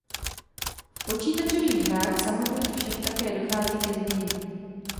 V počítačových hrách samotných však také dochází ke změně.